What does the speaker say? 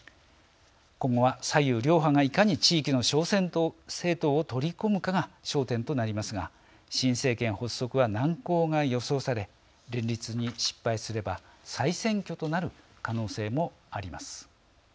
今後は左右両派がいかに地域の小政党を取り込むかが焦点となりますが新政権発足は難航が予想され連立に失敗すれば再選挙となる可能性もあります。